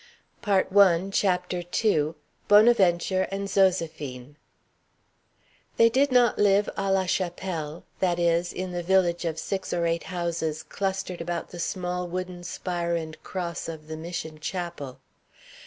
CHAPTER II. BONAVENTURE AND ZOSÉPHINE. They did not live à la chapelle; that is, in the village of six or eight houses clustered about the small wooden spire and cross of the mission chapel.